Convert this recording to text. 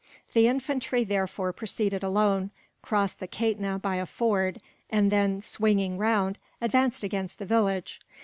The infantry therefore proceeded alone, crossed the Kaitna by a ford; and then, swinging round, advanced against the village.